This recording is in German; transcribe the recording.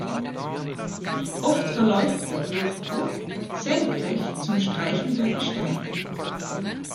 Oft verläuft der Durchbruch senkrecht zum Streichen der Gesteine.